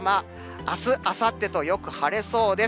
あす、あさってとよく晴れそうです。